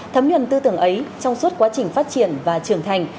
thấm nhuận tư tưởng ấy trong suốt quá trình phát triển và trưởng thành